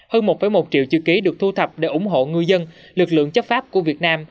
hơn một một triệu chữ ký được thu thập để ủng hộ ngư dân lực lượng chấp pháp của việt nam